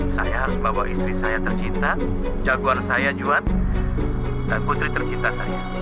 saya harus bawa istri saya tercinta jagoan saya juan dan putri tercinta saya